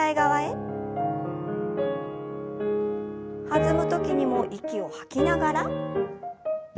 弾む時にも息を吐きながら。